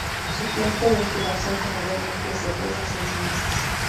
Su tiempo de incubación generalmente es de tres a seis meses.